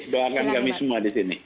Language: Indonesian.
doakan kami semua di sini